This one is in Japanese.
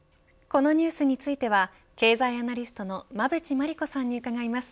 このニュースについては経済アナリストの馬渕磨理子さんに伺います。